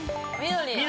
緑。